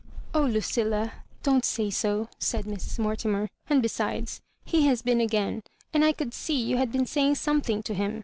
" Oh Lucilla ! don't say so," said Mrs. Morti mer; "and besides. Tie has been again, and I could see you had been saying something to him.